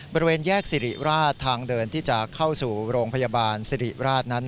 บริเวณแยกสิริราชทางเดินที่จะเข้าสู่โรงพยาบาลสิริราชนั้น